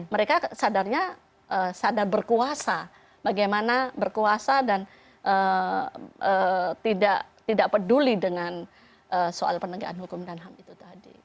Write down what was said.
mereka sadarnya sadar berkuasa bagaimana berkuasa dan tidak peduli dengan soal penegakan hukum dan ham itu tadi